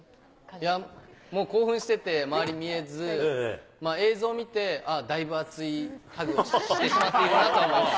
いや、もう興奮してて、周り見えず、映像見て、あっ、だいぶ熱いハグをしているなと思って。